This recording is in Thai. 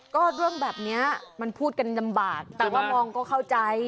ก็เรื่องแบบนี้มันพูดกันลำบากแต่ว่ามองก็เข้าใจ